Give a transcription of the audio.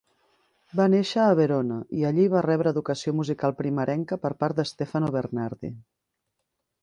Va néixer a Verona i allí va rebre educació musical primerenca per part d'Stefano Bernardi.